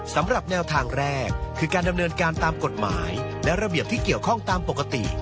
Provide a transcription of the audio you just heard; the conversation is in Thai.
สำหรับแนวทางแรกคือการดำเนินการตามกฎหมายและระเบียบที่เกี่ยวข้องตามปกติ